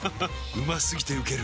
うま過ぎてウケる